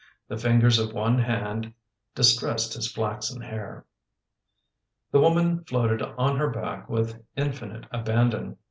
The fingers of one hand distressed his flaxen hair. The woman floated on her back with infinite abandon.